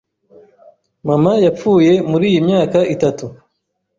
Mama yapfuye muri iyi myaka itatu.